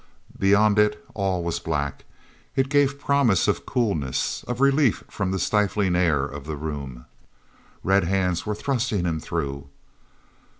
Beyond it all was black; it gave promise of coolness, of relief from the stifling air of the room. Red hands were thrusting him through.